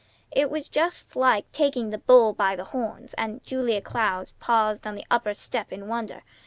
It was just like taking the bull by the horns, and Julia Cloud paused on the upper step in wonder.